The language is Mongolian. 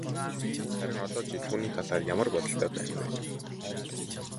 Харин одоо чи түүний талаар ямар бодолтой байна вэ?